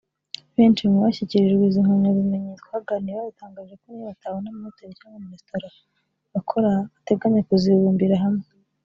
Benshi mu bashyikirijwe izi mpamyabumenyi twaganiriye badutangarije ko n’iyo batabona amahoteli cyangwa amaresitora bakora bateganya kuzibumbira hamwe